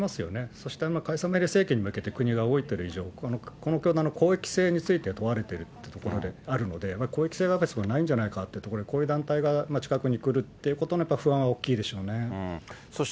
そして解散命令請求に向けて、国が動いている以上、この教団の公益性について問われてるってところであるので、公益性はそもそもないんじゃないかということで、こういう団体が近くに来るってことの不安は大きいでしょうね。